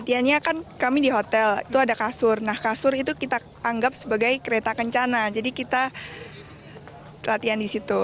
latihannya kan kami di hotel itu ada kasur nah kasur itu kita anggap sebagai kereta kencana jadi kita latihan di situ